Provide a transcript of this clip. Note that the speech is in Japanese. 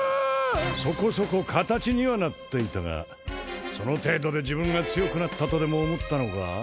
そこそこ形にはなっていたがその程度で自分が強くなったとでも思ったのか？